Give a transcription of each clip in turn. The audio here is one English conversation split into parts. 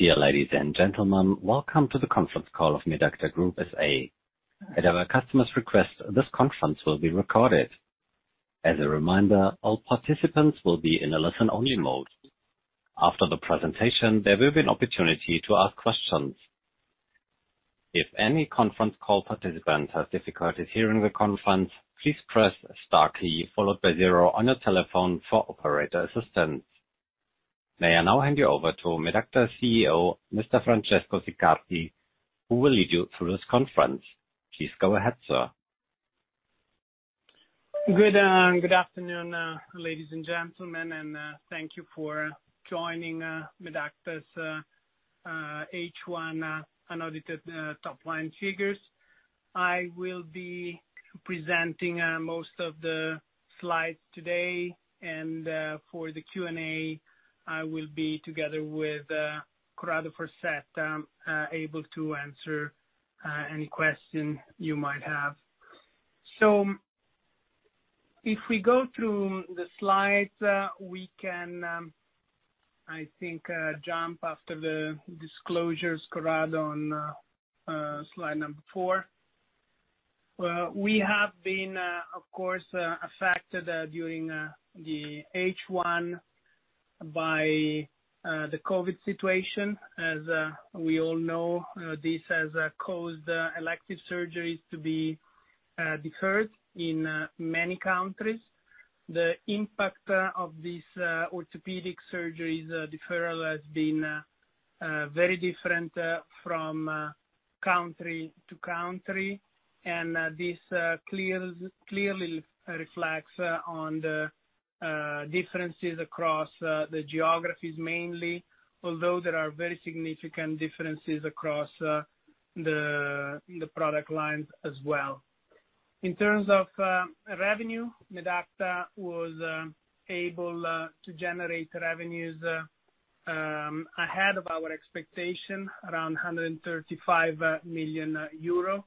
Dear ladies and gentlemen, welcome to the conference call of Medacta Group SA. At our customers' request, this conference will be recorded. As a reminder, all participants will be in a listen-only mode. After the presentation, there will be an opportunity to ask questions. If any conference call participant has difficulties hearing the conference, please press star key followed by zero on your telephone for operator assistance. May I now hand you over to Medacta CEO, Mr. Francesco Siccardi, who will lead you through this conference. Please go ahead, sir. Good afternoon, ladies and gentlemen, and thank you for joining Medacta's H1 unaudited top line figures. I will be presenting most of the slides today, and for the Q&A, I will be, together with Corrado Farsetta, able to answer any question you might have. If we go through the slides, we can, I think, jump after the disclosures, Corrado, on slide number 4. We have been, of course, affected during the H1 by the COVID situation. As we all know, this has caused elective surgeries to be deferred in many countries. The impact of these orthopedic surgeries deferral has been very different from country to country, and this clearly reflects on the differences across the geographies mainly, although there are very significant differences across the product lines as well. In terms of revenue, Medacta was able to generate revenues ahead of our expectation, around 135 million euro.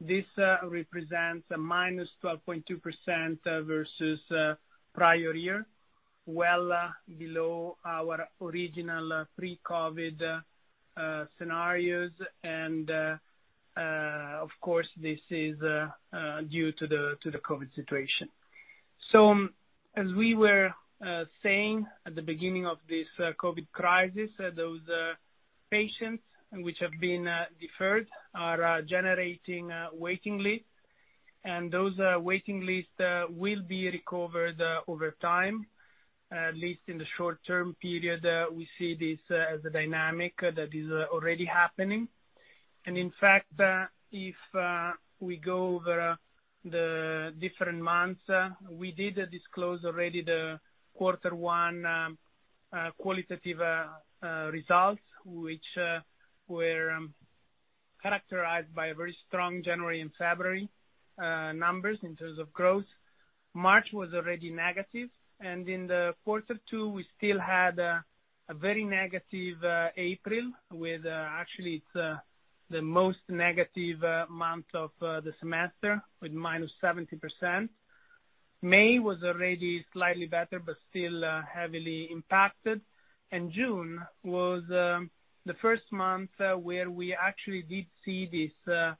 This represents a -12.2% versus prior year, well below our original pre-COVID scenarios, of course, this is due to the COVID situation. As we were saying at the beginning of this COVID crisis, those patients which have been deferred are generating waiting lists, and those waiting lists will be recovered over time. At least in the short-term period, we see this as a dynamic that is already happening. In fact, if we go over the different months, we did disclose already the Q1 qualitative results, which were characterized by very strong January and February numbers in terms of growth. March was already negative, and in the Q2, we still had a very negative April with Actually, it's the most negative month of the semester, with -70%. May was already slightly better, but still heavily impacted. June was the first month where we actually did see this effect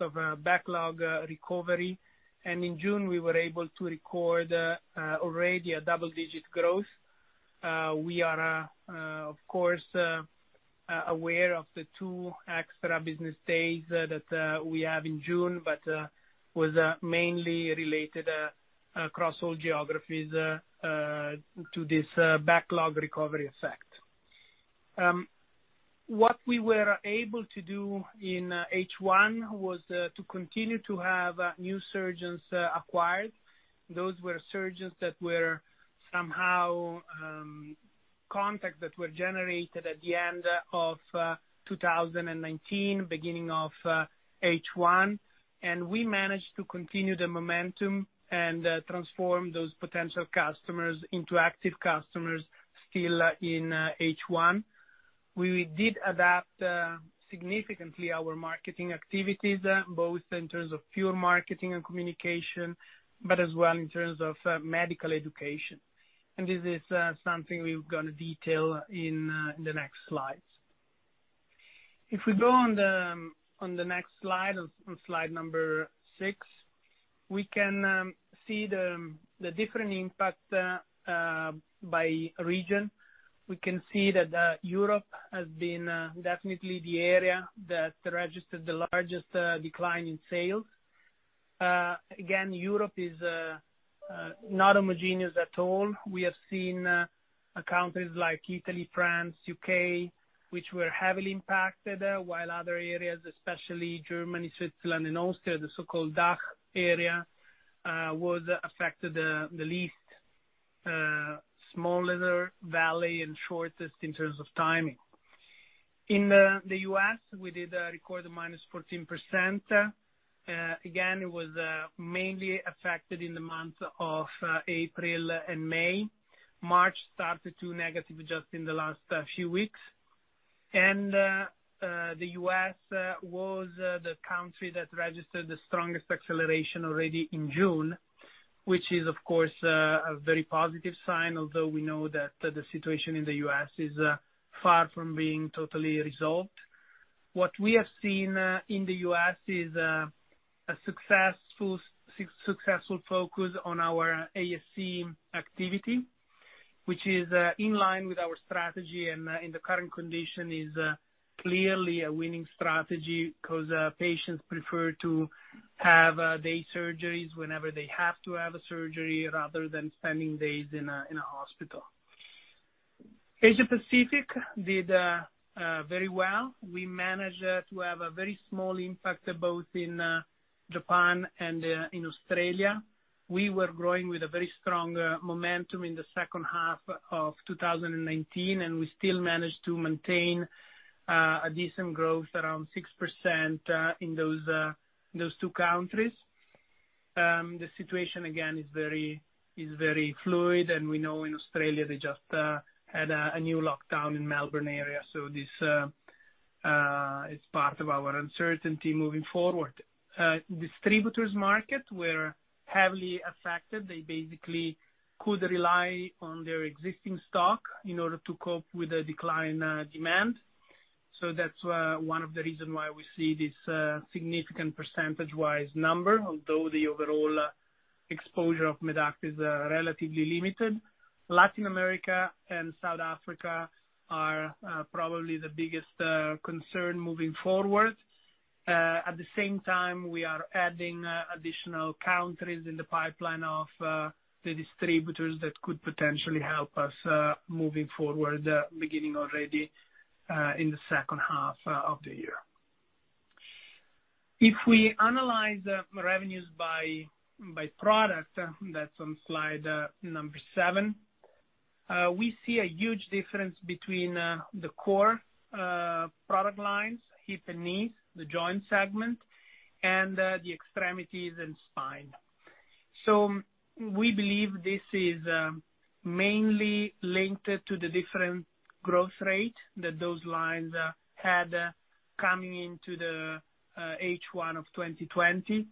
of backlog recovery. In June, we were able to record already a double-digit growth. We are, of course, aware of the two extra business days that we have in June, but was mainly related across all geographies to this backlog recovery effect. What we were able to do in H1 was to continue to have new surgeons acquired. Those were surgeons that were somehow contacts that were generated at the end of 2019, beginning of H1. We managed to continue the momentum and transform those potential customers into active customers still in H1. We did adapt significantly our marketing activities, both in terms of field marketing and communication, but as well in terms of medical education. This is something we're going to detail in the next slides. If we go on the next slide, on slide number six, we can see the different impact by region. We can see that Europe has been definitely the area that registered the largest decline in sales. Again, Europe is not homogeneous at all. We have seen countries like Italy, France, U.K., which were heavily impacted, while other areas, especially Germany, Switzerland, and Austria, the so-called DACH area, was affected the least. Smallest valley and shortest in terms of timing. In the U.S., we did record the -14%. Again, it was mainly affected in the months of April and May. March started to negative just in the last few weeks. The U.S. was the country that registered the strongest acceleration already in June. Which is of course, a very positive sign, although we know that the situation in the U.S. is far from being totally resolved. What we have seen in the U.S. is a successful focus on our ASC activity, which is in line with our strategy, and in the current condition, is clearly a winning strategy, because patients prefer to have day surgeries whenever they have to have a surgery, rather than spending days in a hospital. Asia Pacific did very well. We managed to have a very small impact both in Japan and in Australia. We were growing with a very strong momentum in the second half of 2019, and we still managed to maintain a decent growth around 6% in those two countries. The situation, again, is very fluid, and we know in Australia, they just had a new lockdown in Melbourne area, so this is part of our uncertainty moving forward. Distributors market were heavily affected. They basically could rely on their existing stock in order to cope with the decline demand. That's one of the reason why we see this significant percentage-wise number, although the overall exposure of Medacta is relatively limited. Latin America and South Africa are probably the biggest concern moving forward. At the same time, we are adding additional countries in the pipeline of the distributors that could potentially help us moving forward, beginning already in the second half of the year. If we analyze the revenues by product, that's on slide number seven, we see a huge difference between the core product lines, hip and knee, the joint segment, and the extremities and spine. We believe this is mainly linked to the different growth rate that those lines had coming into the H1 of 2020.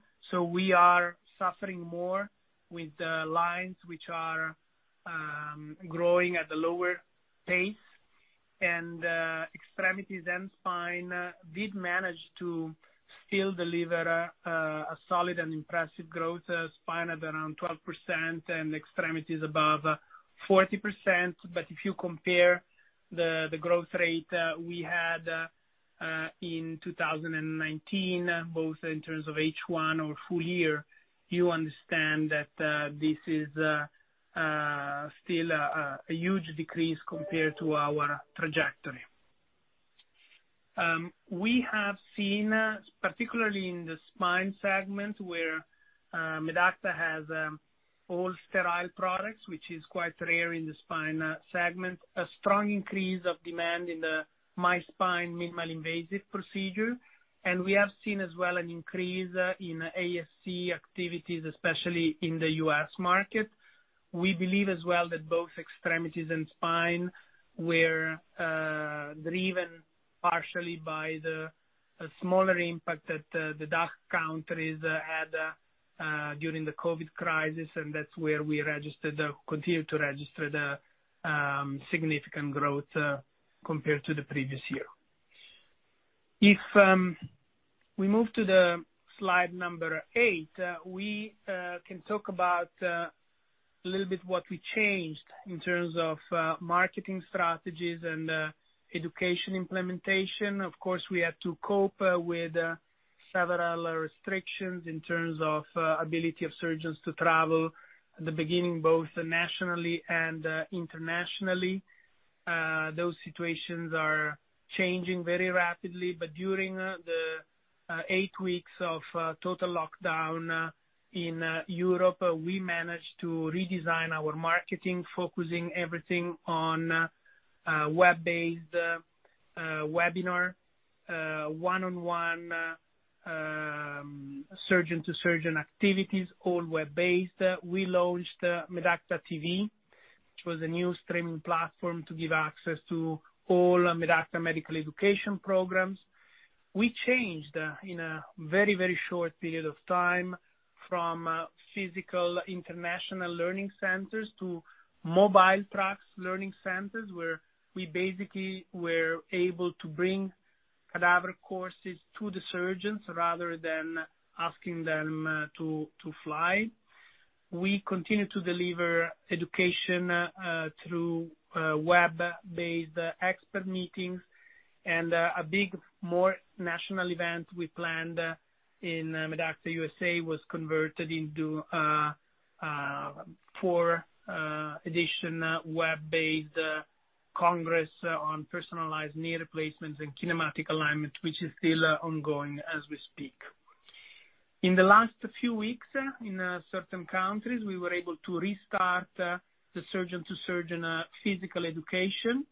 We are suffering more with the lines which are growing at a lower pace. Extremities and spine did manage to still deliver a solid and impressive growth. Spine at around 12% and extremities above 40%. If you compare the growth rate we had in 2019, both in terms of H1 or full year, you understand that this is still a huge decrease compared to our trajectory. We have seen, particularly in the spine segment, where Medacta has all sterile products, which is quite rare in the spine segment, a strong increase of demand in the MySpine minimally invasive procedure. We have seen as well an increase in ASC activities, especially in the U.S. market. We believe as well that both extremities and spine were driven partially by the smaller impact that the DACH countries had during the COVID crisis, and that's where we continue to register the significant growth compared to the previous year. If we move to the slide number eight, we can talk about a little bit what we changed in terms of marketing strategies and education implementation. Of course, we had to cope with several restrictions in terms of ability of surgeons to travel at the beginning, both nationally and internationally. Those situations are changing very rapidly. During the eight weeks of total lockdown in Europe, we managed to redesign our marketing, focusing everything on web-based webinar, one-on-one surgeon to surgeon activities, all web-based. We launched Medacta.TV, which was a new streaming platform to give access to all Medacta medical education programs. We changed in a very short period of time from physical international learning centers to mobile tracks learning centers, where we basically were able to bring cadaver courses to the surgeons rather than asking them to fly. We continue to deliver education through web-based expert meetings and a big, more national event we planned in Medacta USA was converted into four edition web-based congress on personalized knee replacements and kinematic alignment, which is still ongoing as we speak. In the last few weeks, in certain countries, we were able to restart the surgeon-to-surgeon physical education.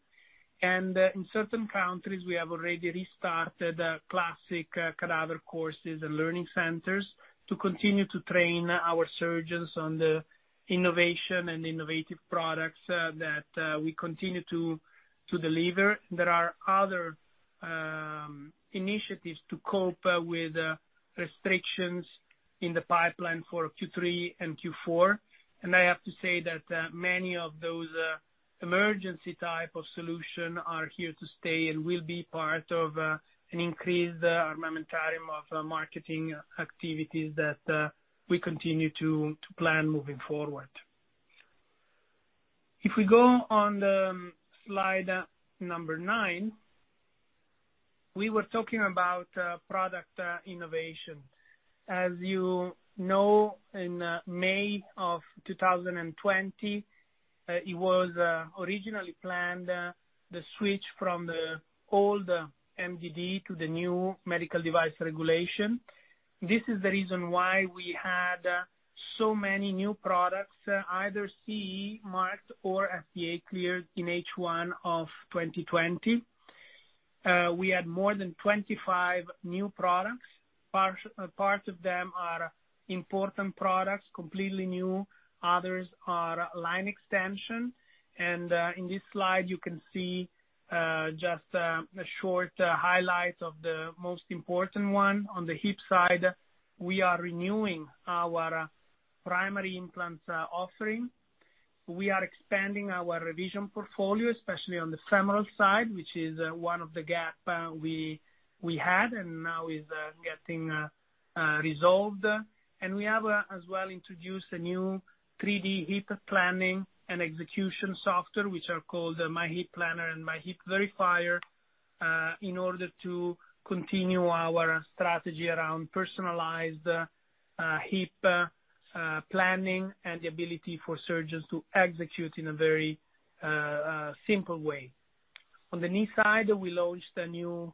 In certain countries, we have already restarted classic cadaver courses and learning centers to continue to train our surgeons on the innovation and innovative products that we continue to deliver. There are other initiatives to cope with restrictions in the pipeline for Q3 and Q4. I have to say that many of those emergency type of solution are here to stay and will be part of an increased armamentarium of marketing activities that we continue to plan moving forward. If we go on slide number 9, we were talking about product innovation. As you know, in May of 2020, it was originally planned the switch from the old MDD to the new Medical Device Regulation. This is the reason why we had so many new products, either CE marked or FDA cleared in H1 of 2020. We had more than 25 new products. Part of them are important products, completely new. Others are line extension. In this slide, you can see just a short highlight of the most important one. On the hip side, we are renewing our primary implants offering. We are expanding our revision portfolio, especially on the femoral side, which is one of the gap we had and now is getting resolved. We have as well introduced a new 3D hip planning and execution software, which are called MyHip Planner and MyHip Verifier, in order to continue our strategy around personalized hip planning and the ability for surgeons to execute in a very simple way. On the knee side, we launched a new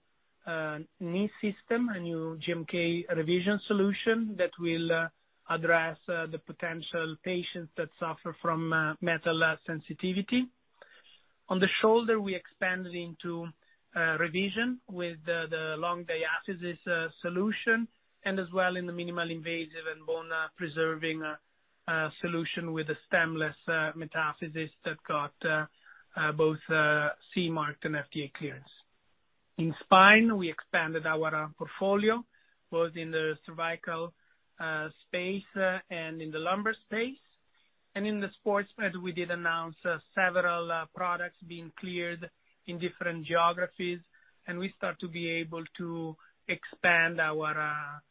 knee system, a new GMK Revision solution that will address the potential patients that suffer from metal sensitivity. On the shoulder, we expanded into revision with the long diaphysis solution and as well in the minimal invasive and bone-preserving solution with a stemless metaphysis that got both CE marked and FDA clearance. In spine, we expanded our portfolio, both in the cervical space and in the lumbar space. In the sports med, we did announce several products being cleared in different geographies, and we start to be able to expand our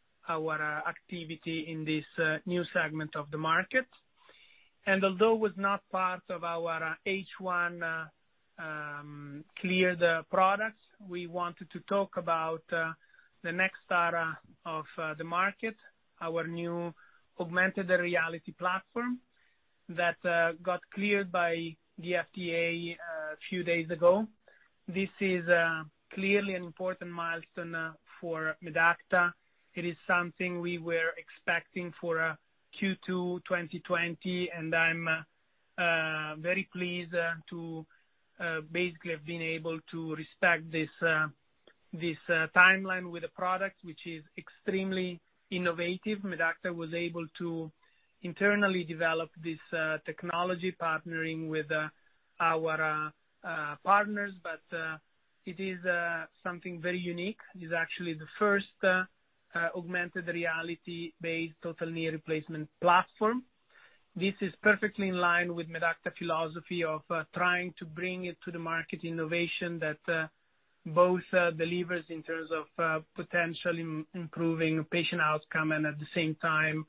activity in this new segment of the market. Although was not part of our H1 cleared products, we wanted to talk about the NextAR of the market, our new augmented reality platform that got cleared by the FDA a few days ago. This is clearly an important milestone for Medacta. It is something we were expecting for Q2 2020, and I'm very pleased to basically have been able to respect this timeline with a product which is extremely innovative. Medacta was able to internally develop this technology, partnering with our partners, but it is something very unique. It is actually the first augmented reality-based total knee replacement platform. This is perfectly in line with Medacta philosophy of trying to bring it to the market innovation that both delivers in terms of potential improving patient outcome and at the same time,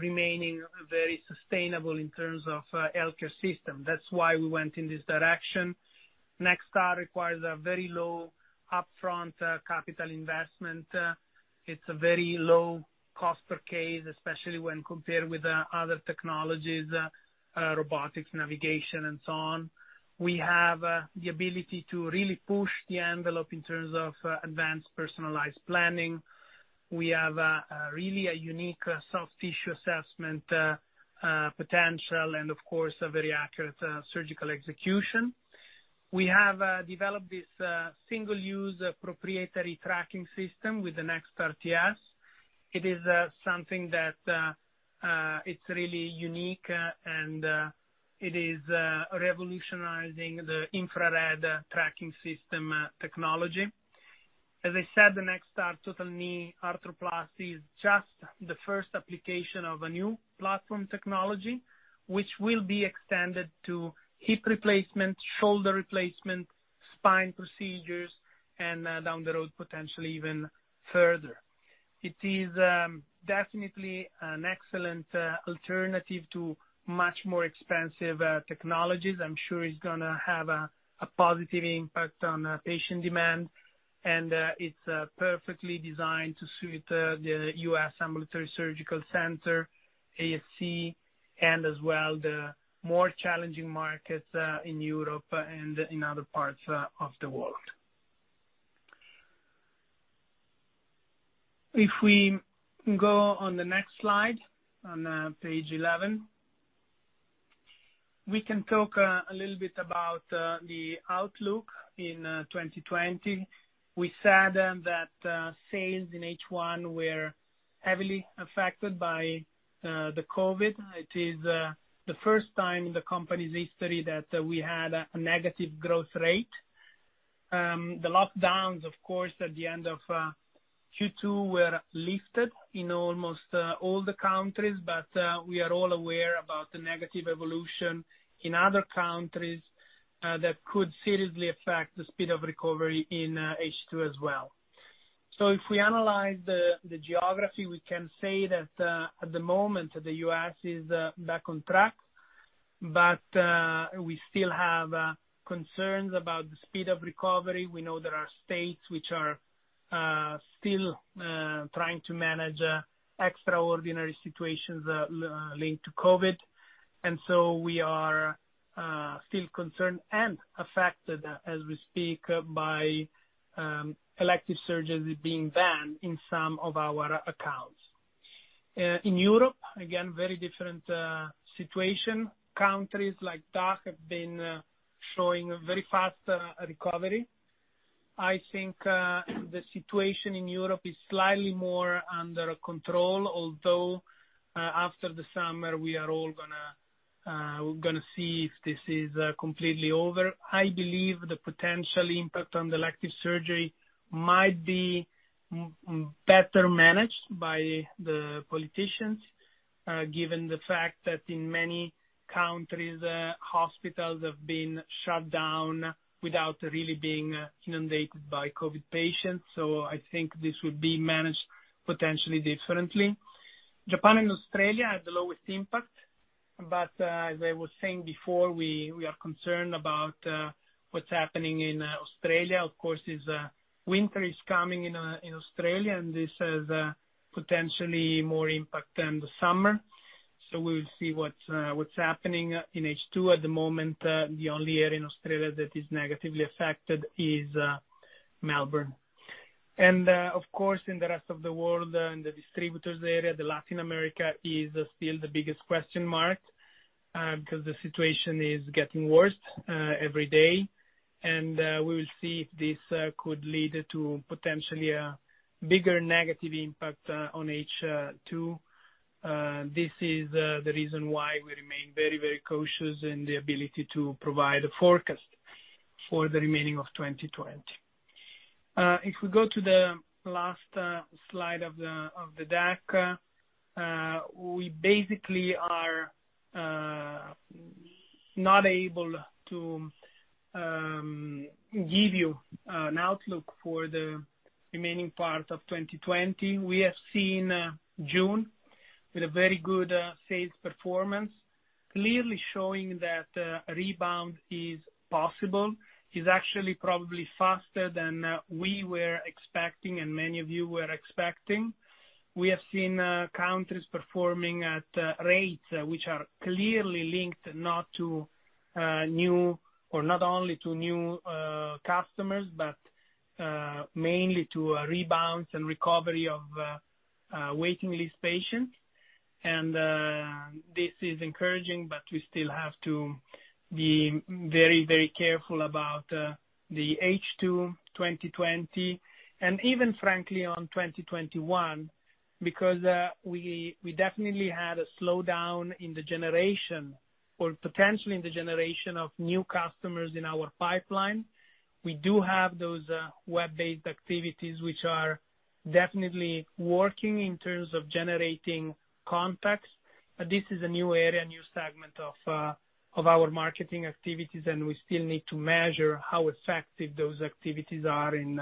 remaining very sustainable in terms of healthcare system. That's why we went in this direction. NextAR requires a very low upfront capital investment. It's a very low cost per case, especially when compared with other technologies, robotics, navigation, and so on. We have the ability to really push the envelope in terms of advanced personalized planning. We have really a unique soft tissue assessment potential, and of course, a very accurate surgical execution. We have developed this single-use proprietary tracking system with the NextAR TS. It is something that it's really unique and it is revolutionizing the infrared tracking system technology. As I said, the NextAR Total Knee Arthroplasty is just the first application of a new platform technology, which will be extended to hip replacement, shoulder replacement, spine procedures, and down the road, potentially even further. It is definitely an excellent alternative to much more expensive technologies. I'm sure it's going to have a positive impact on patient demand, and it's perfectly designed to suit the U.S. Ambulatory Surgical Center, ASC, and as well, the more challenging markets in Europe and in other parts of the world. If we go on the next slide, on page 11, we can talk a little bit about the outlook in 2020. We said that sales in H1 were heavily affected by the COVID. It is the first time in the company's history that we had a negative growth rate. The lockdowns, of course, at the end of Q2 were lifted in almost all the countries, but we are all aware about the negative evolution in other countries that could seriously affect the speed of recovery in H2 as well. If we analyze the geography, we can say that at the moment, the U.S. is back on track. We still have concerns about the speed of recovery. We know there are states which are still trying to manage extraordinary situations linked to COVID, and so we are still concerned and affected as we speak by elective surgeries being banned in some of our accounts. In Europe, again, very different situation. Countries like DACH have been showing a very fast recovery. I think the situation in Europe is slightly more under control, although after the summer, we're going to see if this is completely over. I believe the potential impact on the elective surgery might be better managed by the politicians, given the fact that in many countries, hospitals have been shut down without really being inundated by COVID patients. I think this would be managed potentially differently. Japan and Australia had the lowest impact. As I was saying before, we are concerned about what's happening in Australia. Of course, winter is coming in Australia, and this has potentially more impact than the summer. We'll see what's happening in H2. At the moment, the only area in Australia that is negatively affected is Melbourne. Of course, in the rest of the world and the distributors area, Latin America is still the biggest question mark, because the situation is getting worse every day. We will see if this could lead to potentially a bigger negative impact on H2. This is the reason why we remain very cautious in the ability to provide a forecast for the remaining of 2020. If we go to the last slide of the deck, we basically are not able to give you an outlook for the remaining part of 2020. We have seen June with a very good sales performance, clearly showing that a rebound is possible, is actually probably faster than we were expecting and many of you were expecting. We have seen countries performing at rates which are clearly linked not only to new customers, but mainly to rebounds and recovery of waiting list patients. This is encouraging, but we still have to be very careful about the H2 2020 and even frankly on 2021, because we definitely had a slowdown in the generation or potentially in the generation of new customers in our pipeline. We do have those web-based activities which are definitely working in terms of generating contacts. This is a new area, a new segment of our marketing activities, and we still need to measure how effective those activities are in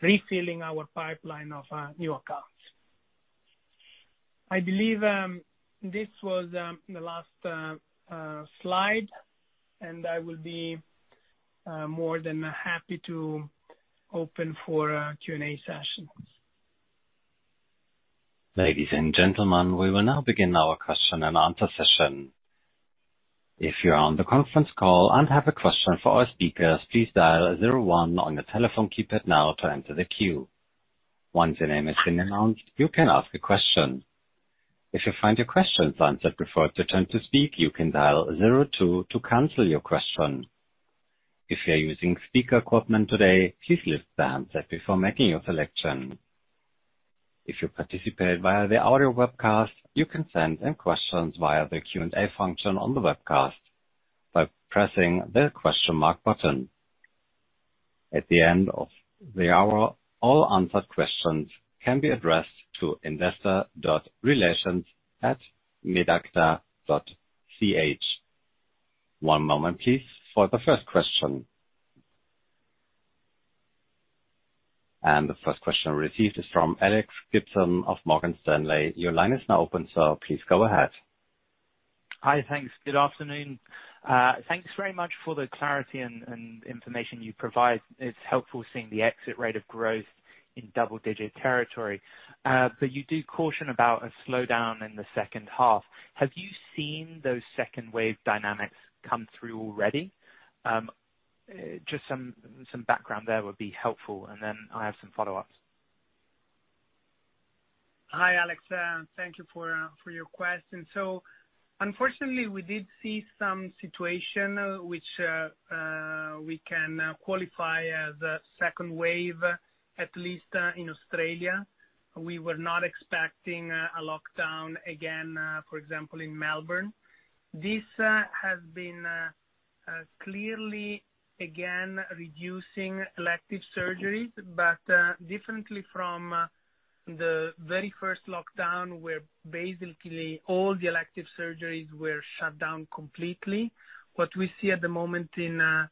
refilling our pipeline of new accounts. I believe this was the last slide, and I will be more than happy to open for a Q&A session. Ladies and gentlemen, we will now begin our question and answer session. If you're on the conference call and have a question for our speakers, please dial zero one on your telephone keypad now to enter the queue. Once your name has been announced, you can ask a question. If you find your question unanswered before it's your turn to speak, you can dial zero two to cancel your question. If you are using speaker equipment today, please lift the handset before making your selection. If you participate via the audio webcast, you can send in questions via the Q&A function on the webcast by pressing the question mark button. At the end of the hour, all unanswered questions can be addressed to investor.relations@medacta.ch. One moment please for the first question. The first question received is from Alex Gibson of Morgan Stanley. Your line is now open, so please go ahead. Hi. Thanks. Good afternoon. Thanks very much for the clarity and information you provide. It's helpful seeing the exit rate of growth in double-digit territory. You do caution about a slowdown in the second half. Have you seen those second wave dynamics come through already? Just some background there would be helpful, and then I have some follow-ups. Hi, Alex. Thank you for your question. Unfortunately, we did see some situation which we can qualify as a second wave, at least in Australia. We were not expecting a lockdown again, for example, in Melbourne. This has been clearly, again, reducing elective surgeries, but differently from the very first lockdown, where basically all the elective surgeries were shut down completely. What we see at the moment in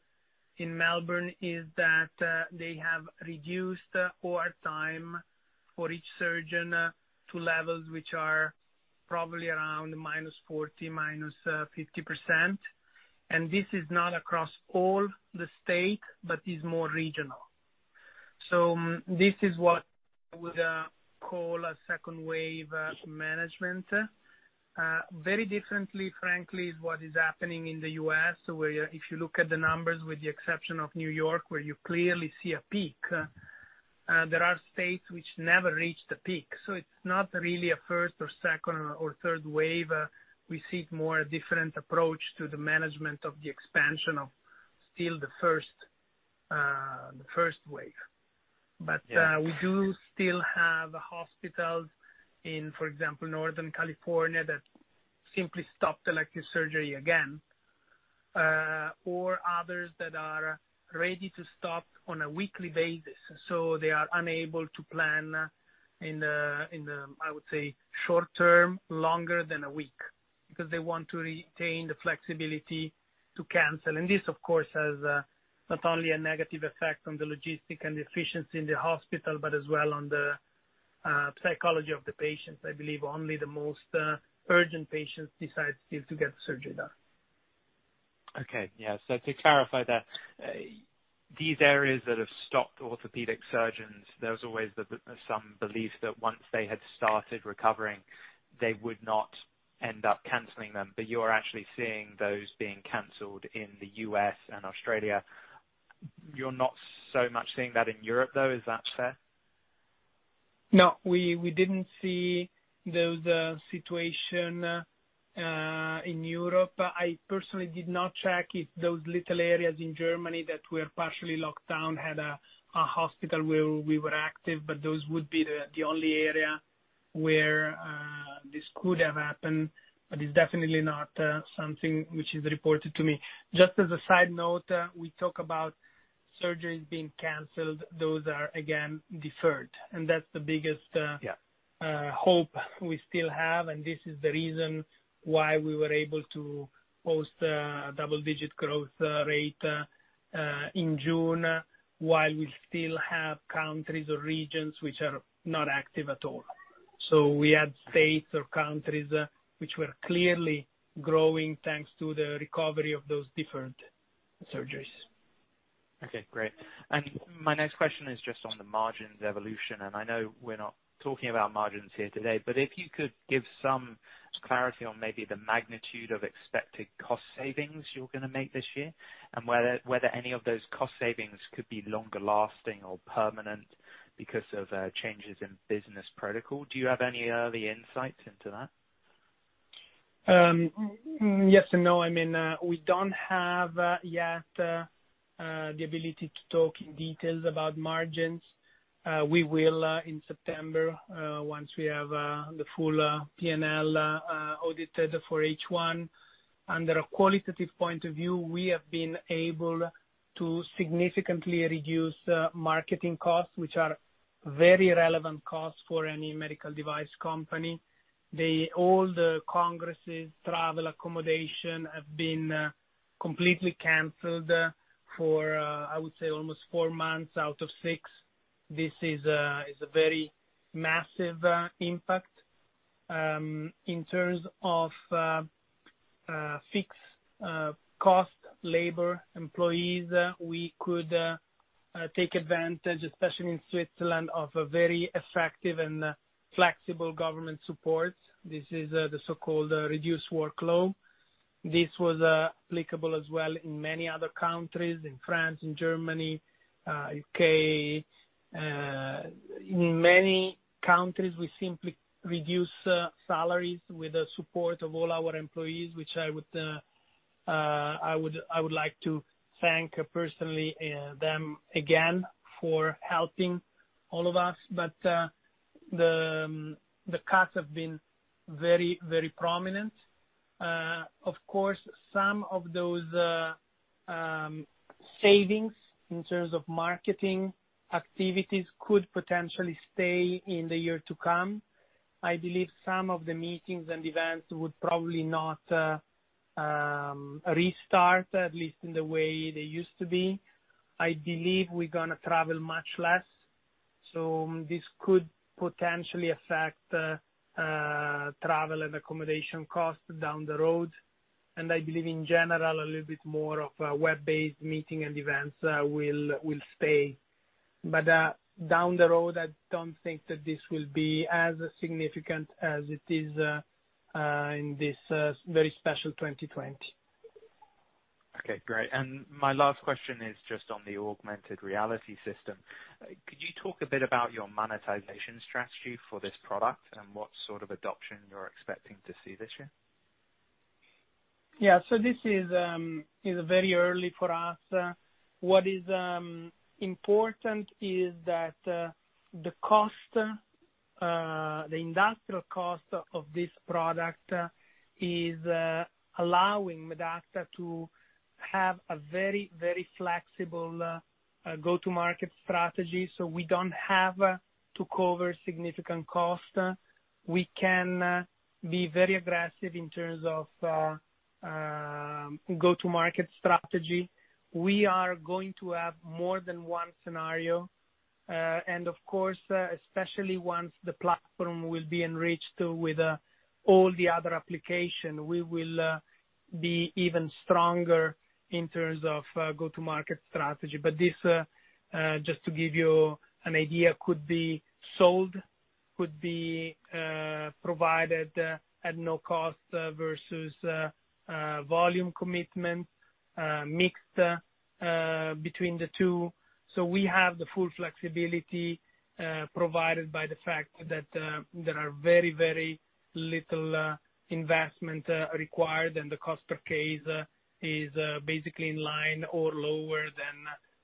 Melbourne is that they have reduced OR time for each surgeon to levels which are probably around minus 40, minus 50%. This is not across all the state, but is more regional. This is what I would call a second wave management. Very differently, frankly, is what is happening in the U.S., where if you look at the numbers, with the exception of New York, where you clearly see a peak, there are states which never reached the peak. It's not really a first or second or third wave. We see it more a different approach to the management of the expansion of still the first wave. Yeah. We do still have hospitals in, for example, Northern California, that simply stopped elective surgery again. Others that are ready to stop on a weekly basis, so they are unable to plan in the, I would say, short term longer than a week, because they want to retain the flexibility to cancel. This, of course, has not only a negative effect on the logistics and efficiency in the hospital, but as well on the psychology of the patients. I believe only the most urgent patients decide still to get surgery done. Okay. Yeah. To clarify that, these areas that have stopped orthopedic surgeons, there was always some belief that once they had started recovering, they would not end up canceling them. You're actually seeing those being canceled in the U.S. and Australia. You're not so much seeing that in Europe, though. Is that fair? No. We didn't see those situation in Europe. I personally did not check if those little areas in Germany that were partially locked down had a hospital where we were active, but those would be the only area where this could have happened, but it's definitely not something which is reported to me. Just as a side note, we talk about surgeries being canceled. Those are again, deferred. Yeah hope we still have, this is the reason why we were able to post a double-digit growth rate in June, while we still have countries or regions which are not active at all. We had states or countries which were clearly growing thanks to the recovery of those different surgeries. Okay, great. My next question is just on the margins evolution, and I know we're not talking about margins here today, but if you could give some clarity on maybe the magnitude of expected cost savings you're going to make this year and whether any of those cost savings could be longer lasting or permanent because of changes in business protocol. Do you have any early insights into that? Yes and no. We don't have yet the ability to talk in details about margins. We will in September, once we have the full P&L audited for H1. Under a qualitative point of view, we have been able to significantly reduce marketing costs, which are very relevant costs for any medical device company. All the congresses, travel, accommodation, have been completely canceled for, I would say, almost four months out of six. This is a very massive impact. In terms of fixed cost, labor, employees, we could take advantage, especially in Switzerland, of a very effective and flexible government support. This is the so-called reduced workload. This was applicable as well in many other countries, in France, in Germany, U.K. In many countries, we simply reduce salaries with the support of all our employees, which I would like to thank personally them again for helping all of us. The cuts have been very prominent. Of course, some of those savings, in terms of marketing activities, could potentially stay in the year to come. I believe some of the meetings and events would probably not restart, at least in the way they used to be. I believe we're going to travel much less. This could potentially affect travel and accommodation costs down the road. I believe in general, a little bit more of web-based meeting and events will stay. Down the road, I don't think that this will be as significant as it is in this very special 2020. Okay, great. My last question is just on the augmented reality system. Could you talk a bit about your monetization strategy for this product and what sort of adoption you're expecting to see this year? Yeah. This is very early for us. What is important is that the industrial cost of this product is allowing Medacta to have a very flexible go-to-market strategy, so we don't have to cover significant cost. We can be very aggressive in terms of go-to-market strategy. We are going to have more than one scenario. Of course, especially once the platform will be enriched with all the other application, we will be even stronger in terms of go-to-market strategy. This, just to give you an idea, could be sold, could be provided at no cost versus volume commitment, mixed between the two. We have the full flexibility, provided by the fact that there are very little investment required, and the cost per case is basically in line or lower than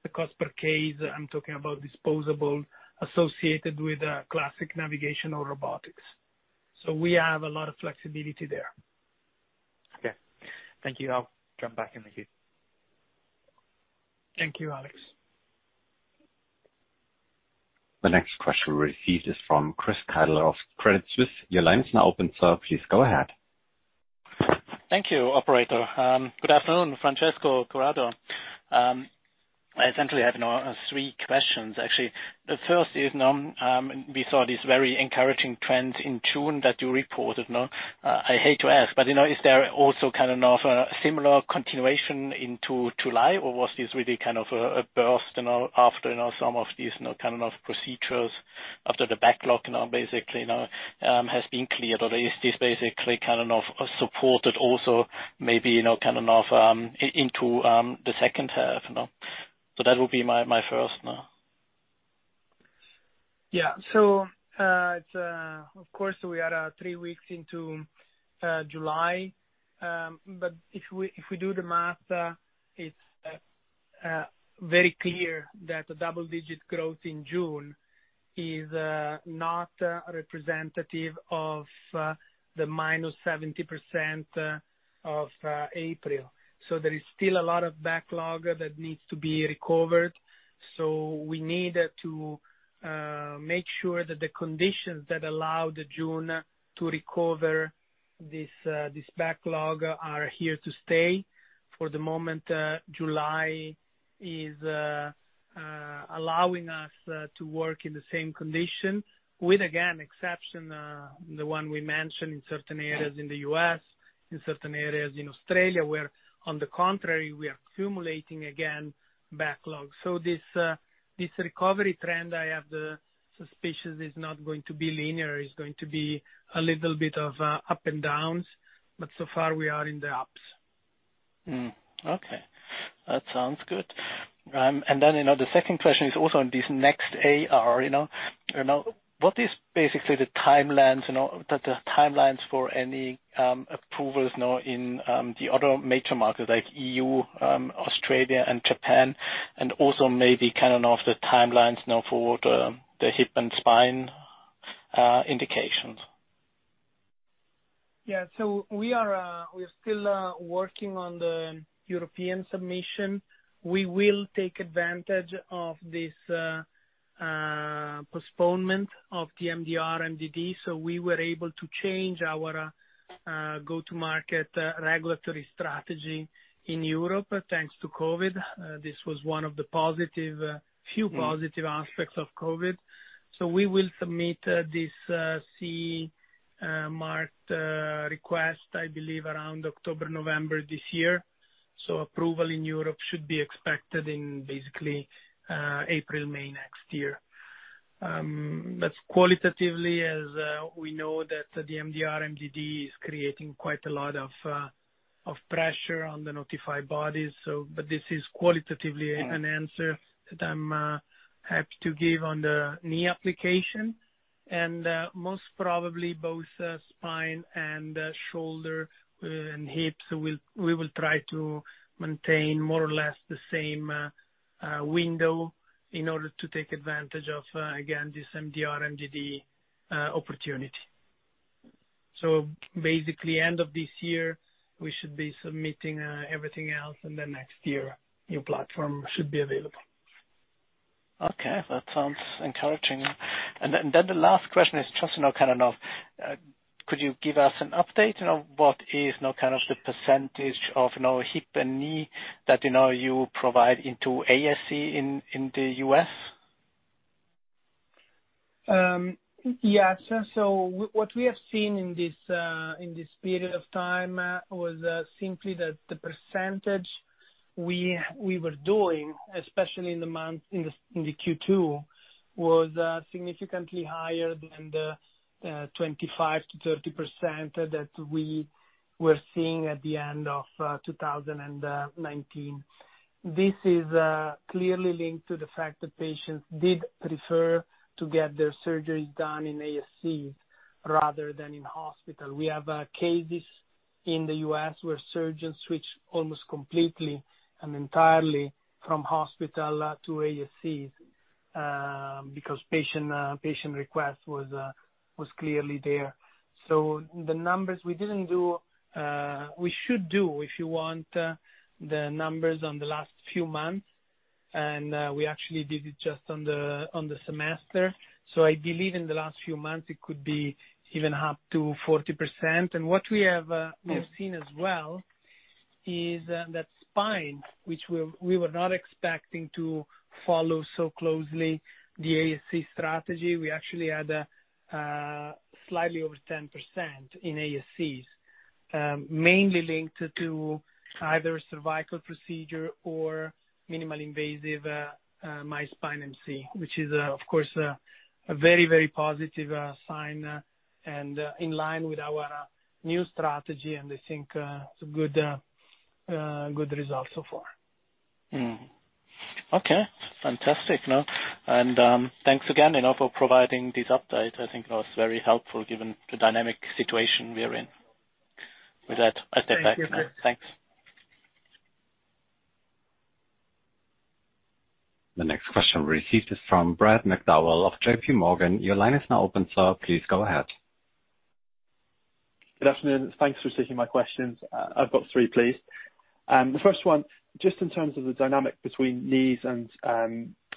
the cost per case, I'm talking about disposable, associated with classic navigation or robotics. We have a lot of flexibility there. Okay. Thank you. I'll jump back in the queue. Thank you, Alex. The next question we'll receive is from Chris Keitel of Credit Suisse. Your line is now open, sir. Please go ahead. Thank you, operator. Good afternoon, Francesco, Corrado. I essentially have now three questions, actually. The first is, we saw this very encouraging trend in June that you reported. I hate to ask, but is there also kind of similar continuation into July, or was this really kind of a burst after some of these procedures after the backlog basically now has been cleared? Is this basically kind of supported also maybe into the second half now? That would be my first now. Of course, we are three weeks into July. If we do the math, it's very clear that the double-digit growth in June is not representative of the -70% of April. There is still a lot of backlog that needs to be recovered. We need to make sure that the conditions that allowed June to recover this backlog are here to stay. For the moment, July is allowing us to work in the same condition with, again, exception, the one we mentioned in certain areas in the U.S., in certain areas in Australia, where, on the contrary, we are accumulating again backlog. This recovery trend, I have the suspicion, is not going to be linear. It's going to be a little bit of up and downs, but so far we are in the ups. Okay. That sounds good. The second question is also on this NextAR. What is basically the timelines for any approvals now in the other major markets like EU, Australia, and Japan, and also maybe the timelines now for the hip and spine indications? Yeah. We are still working on the European submission. We will take advantage of this postponement of the MDR/MDD, so we were able to change our go-to-market regulatory strategy in Europe, thanks to COVID. This was one of the few positive aspects of COVID. We will submit this CE mark request, I believe, around October, November this year. Approval in Europe should be expected in basically April, May next year. That's qualitatively as we know that the MDR/MDD is creating quite a lot of pressure on the notified bodies. This is qualitatively an answer that I'm happy to give on the knee application, and most probably both spine and shoulder and hips, we will try to maintain more or less the same window in order to take advantage of, again, this MDR/MDD opportunity. Basically, end of this year, we should be submitting everything else, and then next year, new platform should be available. Okay. That sounds encouraging. Then the last question is just now, could you give us an update on what is now the percentage of hip and knee that you provide into ASC in the U.S.? What we have seen in this period of time was simply that the percentage we were doing, especially in the Q2, was significantly higher than the 25% to 30% that we were seeing at the end of 2019. This is clearly linked to the fact that patients did prefer to get their surgeries done in ASC rather than in hospital. We have cases in the U.S. where surgeons switched almost completely and entirely from hospital to ASC because patient request was clearly there. The numbers we should do, if you want, the numbers on the last few months, and we actually did it just on the semester. I believe in the last few months, it could be even up to 40%. What we have seen as well is that spine, which we were not expecting to follow so closely the ASC strategy. We actually had slightly over 10% in ASCs, mainly linked to either cervical procedure or minimally invasive MIS TLIF, which is, of course, a very positive sign and in line with our new strategy. I think it's a good result so far. Okay. Fantastic. Thanks again for providing this update. I think it was very helpful given the dynamic situation we are in. With that, I step back now. Thanks. The next question received is from Brad McDowell of JP Morgan. Your line is now open, sir. Please go ahead. Good afternoon. Thanks for taking my questions. I've got three, please. The first one, just in terms of the dynamic between knees and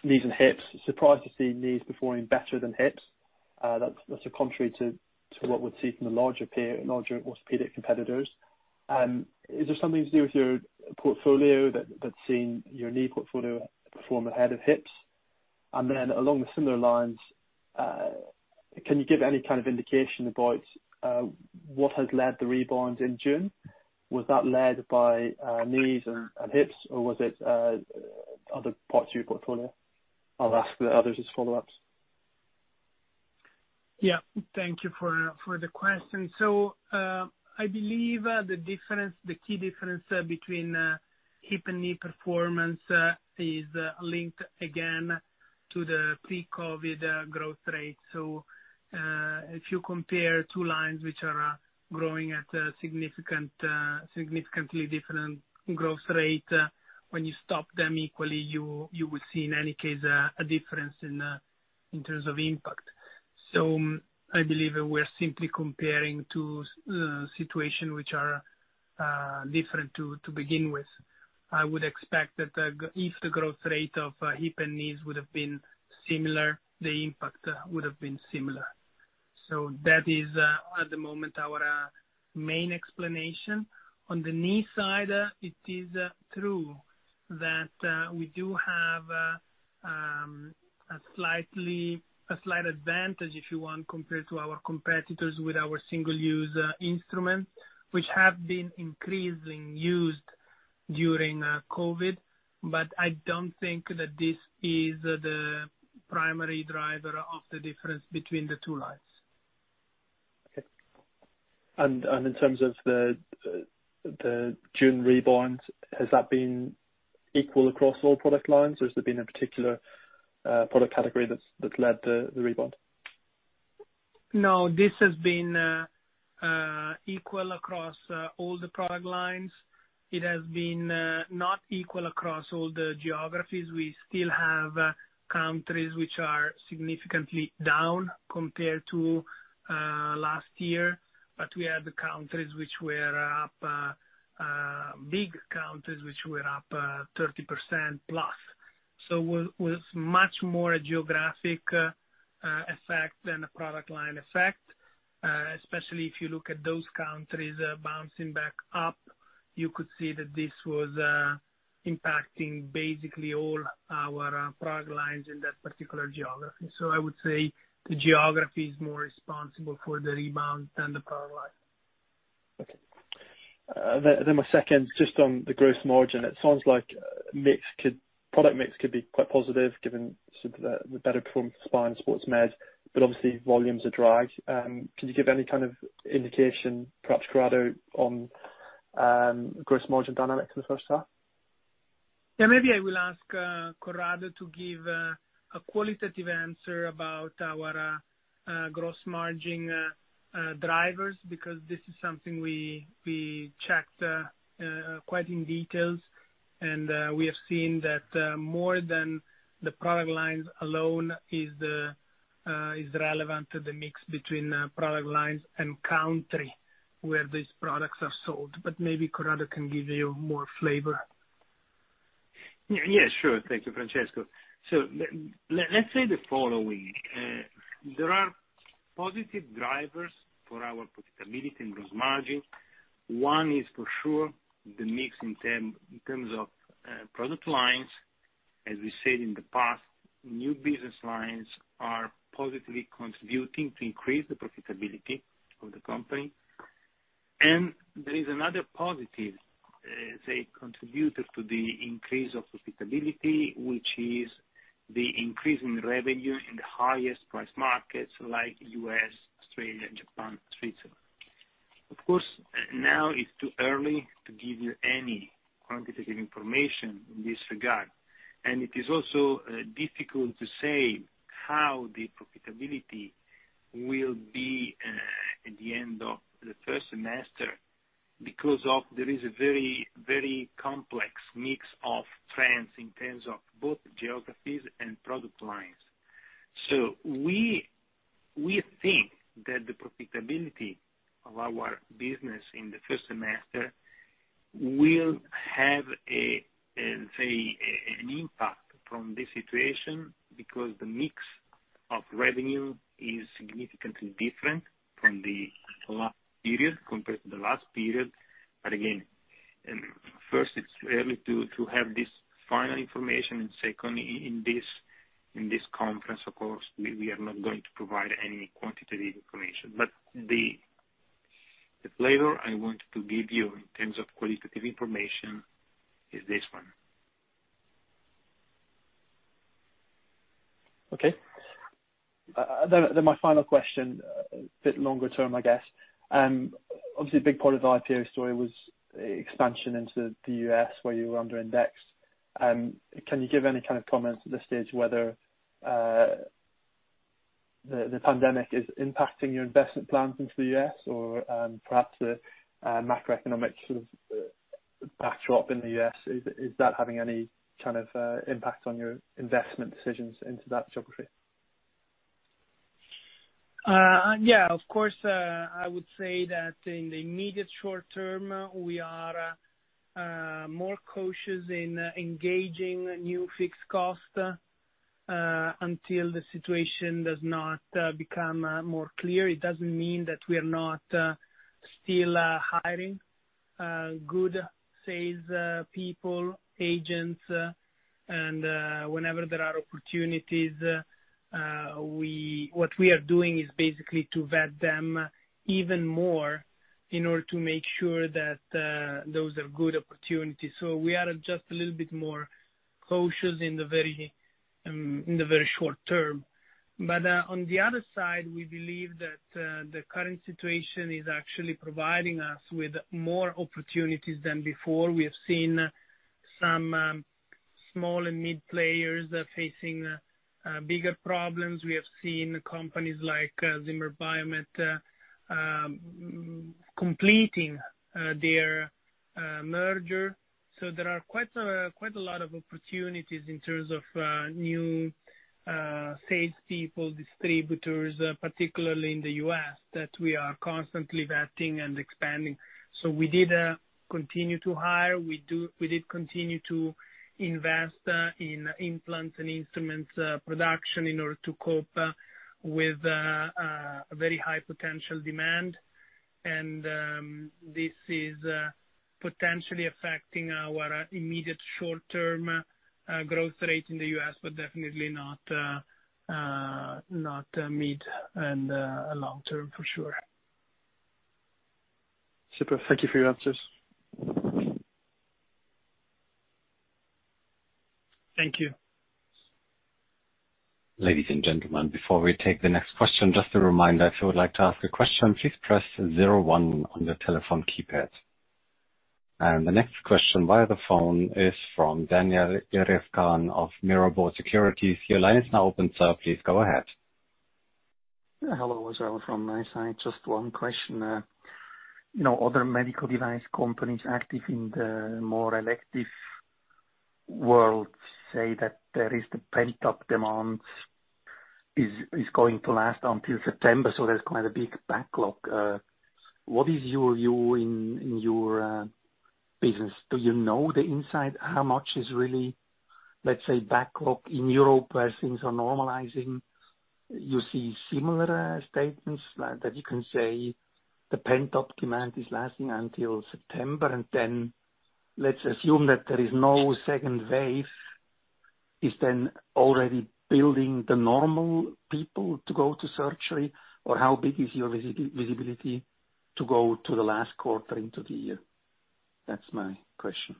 hips, surprised to see knees performing better than hips. That's contrary to what we'd see from the larger orthopedic competitors. Is there something to do with your portfolio that's seen your knee portfolio perform ahead of hips? Then along the similar lines, can you give any kind of indication about what has led the rebound in June? Was that led by knees and hips, or was it other parts of your portfolio? I'll ask the others as follow-ups. Yeah. Thank you for the question. I believe the key difference between hip and knee performance is linked again to the pre-COVID growth rate. If you compare two lines which are growing at a significantly different growth rate, when you stop them equally, you will see in any case, a difference in terms of impact. I believe we're simply comparing two situation which are different to begin with. I would expect that if the growth rate of hip and knees would have been similar, the impact would have been similar. That is at the moment our main explanation. On the knee side, it is true that we do have a slight advantage, if you want, compared to our competitors with our single-use instruments, which have been increasing used during COVID. I don't think that this is the primary driver of the difference between the two lines. Okay. In terms of the June rebounds, has that been equal across all product lines, or has there been a particular product category that's led the rebound? No, this has been equal across all the product lines. It has been not equal across all the geographies. We still have countries which are significantly down compared to last year, but we have the countries which were up, big countries which were up 30% plus. It was much more a geographic effect than a product line effect, especially if you look at those countries bouncing back up, you could see that this was impacting basically all our product lines in that particular geography. I would say the geography is more responsible for the rebound than the product line. Okay. My second, just on the gross margin, it sounds like product mix could be quite positive given the better performance Spine Sports Med, but obviously volumes are drag. Can you give any kind of indication, perhaps, Corrado, on gross margin dynamic for the first half? Yeah, maybe I will ask Corrado to give a qualitative answer about our gross margin drivers, because this is something we checked quite in details. We have seen that more than the product lines alone is relevant to the mix between product lines and country where these products are sold. Maybe Corrado can give you more flavor. Yeah, sure. Thank you, Francesco. Let's say the following. There are positive drivers for our profitability and gross margin. One is for sure the mix in terms of product lines. As we said in the past, new business lines are positively contributing to increase the profitability of the company. There is another positive, say, contributor to the increase of profitability, which is the increase in revenue in the highest price markets like U.S., Australia, and Japan, Switzerland. Of course, now it's too early to give you any quantitative information in this regard, and it is also difficult to say how the profitability will be at the end of the first semester because there is a very complex mix of trends in terms of both geographies and product lines. We think that the profitability of our business in the first semester will have, let's say, an impact from this situation because the mix of revenue is significantly different from the last period compared to the last period. Again, first it's early to have this final information, and second, in this conference, of course, we are not going to provide any quantitative information. The flavor I want to give you in terms of qualitative information is this one. Okay. My final question, a bit longer term, I guess. Obviously, a big part of the IPO story was expansion into the U.S., where you were underindexed. Can you give any kind of comments at this stage whether the pandemic is impacting your investment plans into the U.S. or perhaps the macroeconomic sort of backdrop in the U.S.? Is that having any kind of impact on your investment decisions into that geography? Of course, I would say that in the immediate short term, we are more cautious in engaging new fixed cost, until the situation does not become more clear. It doesn't mean that we're not still hiring good sales people, agents. Whenever there are opportunities, what we are doing is basically to vet them even more in order to make sure that those are good opportunities. We are just a little bit more cautious in the very short term. On the other side, we believe that the current situation is actually providing us with more opportunities than before. We have seen some small and mid players facing bigger problems. We have seen companies like Zimmer Biomet completing their merger. There are quite a lot of opportunities in terms of new salespeople, distributors, particularly in the U.S., that we are constantly vetting and expanding. We did continue to hire. We did continue to invest in implants and instruments production in order to cope with a very high potential demand. This is potentially affecting our immediate short term growth rate in the U.S., but definitely not mid and long term for sure. Super. Thank you for your answers. Thank you. Ladies and gentlemen, before we take the next question, just a reminder, if you would like to ask a question, please press 01 on your telephone keypad. The next question via the phone is from Daniel Jelovcan of Mirabaud Securities. Your line is now open, sir. Please go ahead. Hello. [Israel from Nice. Just one question. Other medical device companies active in the more elective world say that there is the pent-up demand is going to last until September, so there's quite a big backlog. What is your view in your business? Do you know the insight? How much is really, let's say, backlog in Europe where things are normalizing? You see similar statements that you can say the pent-up demand is lasting until September, and then let's assume that there is no second wave, is then already building the normal people to go to surgery? How big is your visibility to go to the last quarter into the year? That's my question.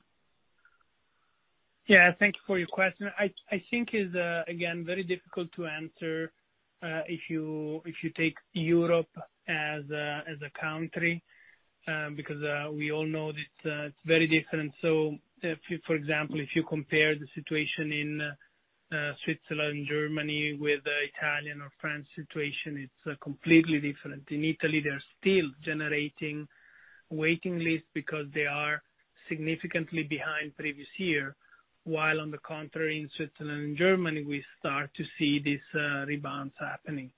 Yeah, thank you for your question. I think it's, again, very difficult to answer, if you take Europe as a country, because, we all know that it's very different. For example, if you compare the situation in Switzerland, Germany with Italian or France situation, it's completely different. In Italy, they're still generating waiting lists because they are significantly behind previous year. While on the contrary, in Switzerland and Germany, we start to see these rebounds happening.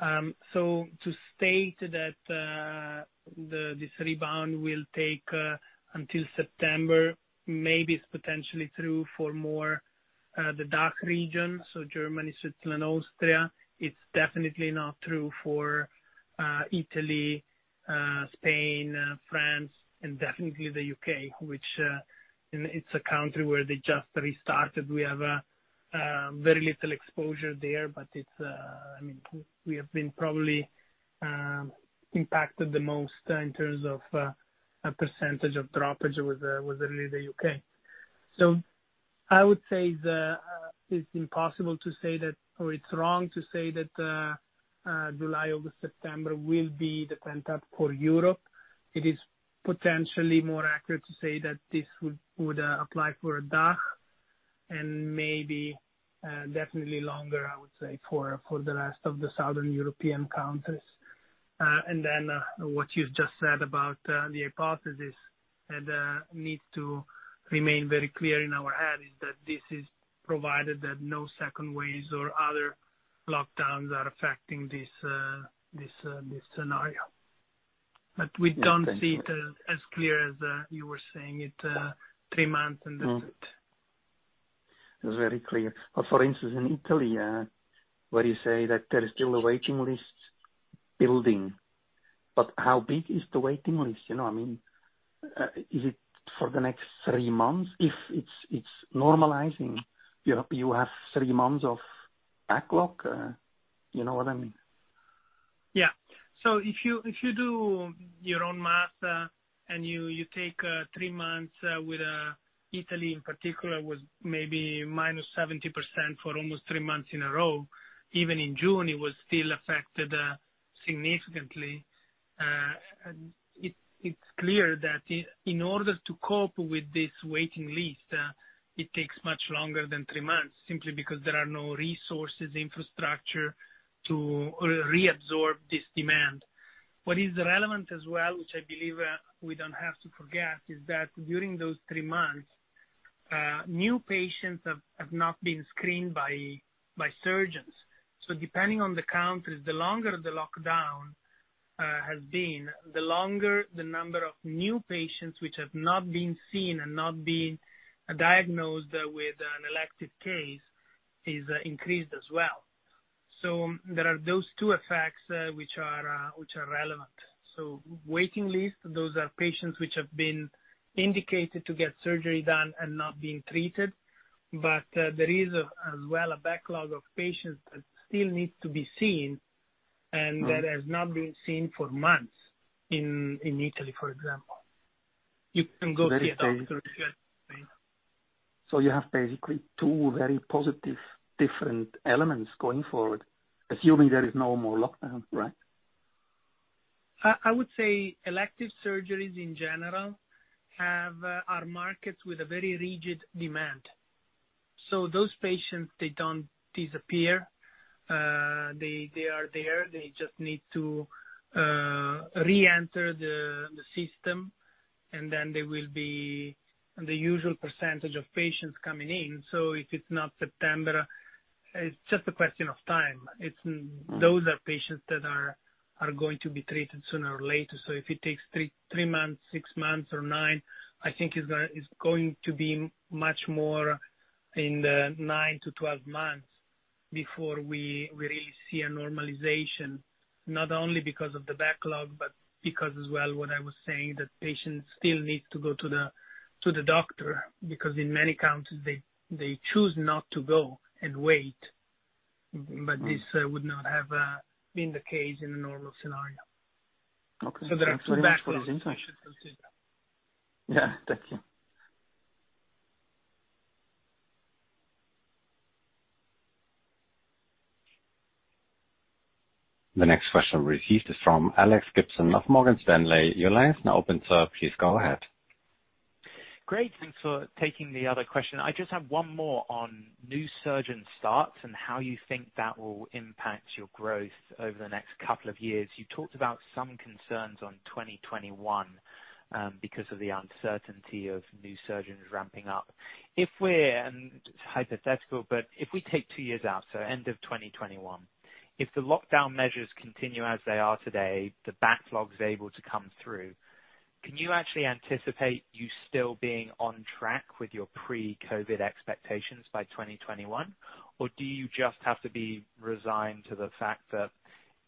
To state that this rebound will take until September, maybe it's potentially true for more, the DACH region, so Germany, Switzerland, Austria. It's definitely not true for Italy, Spain, France, and definitely the U.K., which it's a country where they just restarted. We have very little exposure there, but we have been probably impacted the most in terms of, percentage of dropage was really the U.K. I would say that it's impossible to say that or it's wrong to say that July, August, September will be the pent-up for Europe. It is potentially more accurate to say that this would apply for DACH and maybe definitely longer, I would say, for the rest of the southern European countries. What you've just said about the hypothesis and needs to remain very clear in our head is that this is provided that no second waves or other lockdowns are affecting this scenario. We don't see it as clear as you were saying it, three months and that's it. It was very clear. For instance, in Italy, where you say that there is still a waiting list building, but how big is the waiting list? Is it for the next three months? If it's normalizing Europe, you have three months of backlog. You know what I mean? Yeah. If you do your own math and you take three months with Italy in particular, was maybe minus 70% for almost three months in a row. Even in June, it was still affected significantly. It's clear that in order to cope with this waiting list, it takes much longer than three months, simply because there are no resources, infrastructure, to reabsorb this demand. What is relevant as well, which I believe we don't have to forget, is that during those three months, new patients have not been screened by surgeons. Depending on the countries, the longer the lockdown has been, the longer the number of new patients which have not been seen and not been diagnosed with an elective case, is increased as well. There are those two effects which are relevant. Waiting list, those are patients which have been indicated to get surgery done and not being treated. There is as well a backlog of patients that still need to be seen and that has not been seen for months in Italy, for example. You can go see a doctor if you are in pain. You have basically two very positive different elements going forward, assuming there is no more lockdown, right? I would say elective surgeries in general are markets with a very rigid demand. Those patients, they don't disappear. They are there. They just need to re-enter the system, and then there will be the usual percentage of patients coming in. If it's not September, it's just a question of time. Those are patients that are going to be treated sooner or later. If it takes three months, six months, or nine, I think it's going to be much more in the nine to 12 months before we really see a normalization, not only because of the backlog, but because as well what I was saying, that patients still need to go to the doctor because in many countries they choose not to go and wait. This would not have been the case in a normal scenario. Okay. There are some backlogs we should consider. Yeah. Thank you. The next question received is from Alex Gibson of Morgan Stanley. Your line is now open, sir. Please go ahead. Great. Thanks for taking the other question. I just have one more on new surgeon starts and how you think that will impact your growth over the next couple of years. You talked about some concerns on 2021, because of the uncertainty of new surgeons ramping up. Hypothetical, but if we take two years out, so end of 2021. If the lockdown measures continue as they are today, the backlog is able to come through. Can you actually anticipate you still being on track with your pre-COVID expectations by 2021? Do you just have to be resigned to the fact that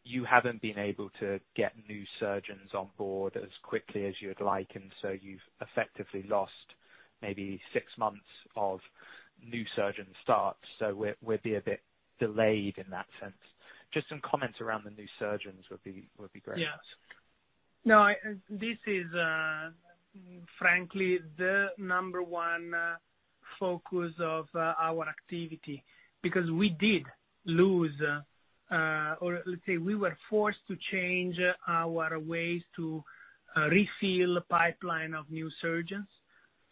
you haven't been able to get new surgeons on board as quickly as you'd like, and so you've effectively lost maybe six months of new surgeon starts, so we'll be a bit delayed in that sense. Just some comments around the new surgeons would be great. This is frankly the number one focus of our activity because we did lose, or let's say we were forced to change our ways to refill the pipeline of new surgeons.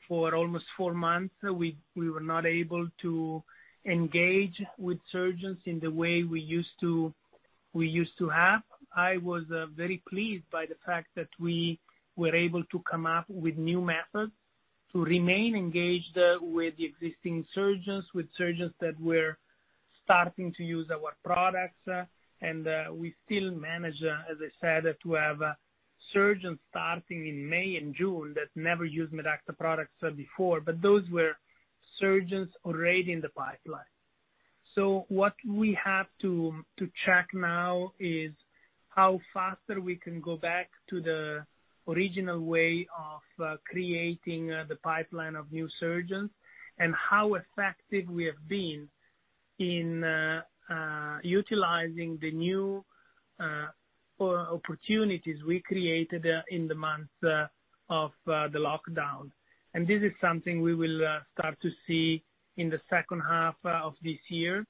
For almost four months, we were not able to engage with surgeons in the way we used to have. I was very pleased by the fact that we were able to come up with new methods to remain engaged with the existing surgeons, with surgeons that were starting to use our products, and we still manage, as I said, to have surgeons starting in May and June that never used Medacta products before, but those were surgeons already in the pipeline. What we have to check now is how faster we can go back to the original way of creating the pipeline of new surgeons and how effective we have been in utilizing the new opportunities we created in the months of the lockdown. This is something we will start to see in the second half of this year.